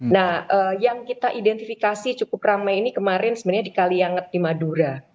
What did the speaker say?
nah yang kita identifikasi cukup ramai ini kemarin sebenarnya di kalianget di madura